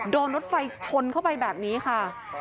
รถไฟชนเข้าไปแบบนี้ค่ะ